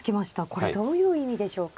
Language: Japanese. これどういう意味でしょうか。